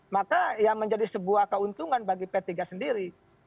maka ya menjadi sebuah keuntungan bagi p tiga sendiri